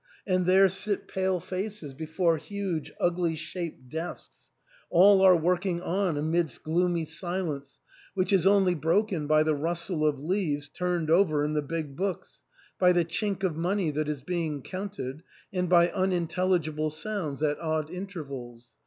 And there sit pale faces be fore huge ugly shaped desks ; all are working on amidst gloomy silence, which is only broken by the rustle of leaves turned over in the big books, by the chink of money that is being counted, and by unintelligible sounds at odd intervals.